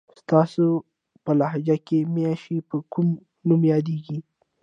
ستاسو په لهجه کې ماشې په کوم نوم یادېږي؟